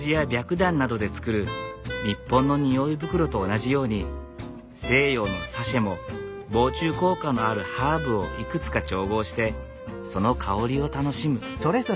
くだんなどで作る日本の匂い袋と同じように西洋のサシェも防虫効果のあるハーブをいくつか調合してその香りを楽しむ。